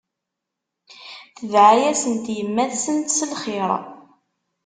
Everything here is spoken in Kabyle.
Tedɛa-yasent yemma-tsent s lxir.